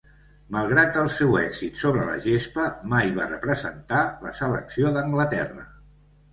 Malgrat el seu èxit sobre la gespa, mai va representar la selecció d'Anglaterra.